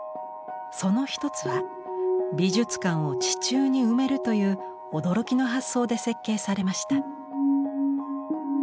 その一つは美術館を地中に埋めるという驚きの発想で設計されました。